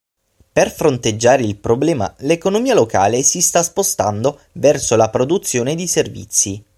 Per fronteggiare il problema l'economia locale si sta spostando verso la produzione di servizi.